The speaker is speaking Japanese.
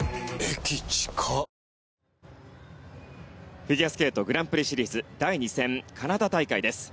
フィギュアスケートグランプリシリーズ第２戦、カナダ大会です。